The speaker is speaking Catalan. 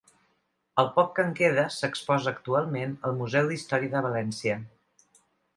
El poc que en queda s'exposa actualment al Museu d'Història de València.